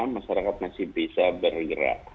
masyarakat masih bisa bergerak